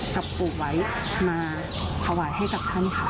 กับปลูกไว้มาถวายให้กับท่านค่ะ